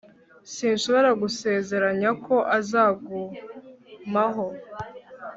sinshobora gusezeranya ko azagumaho